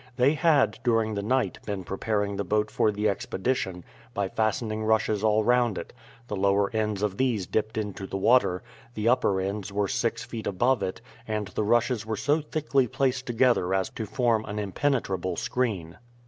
They had, during the night, been preparing the boat for the expedition by fastening rushes all round it; the lower ends of these dipped into the water, the upper ends were six feet above it, and the rushes were so thickly placed together as to form an impenetrable screen.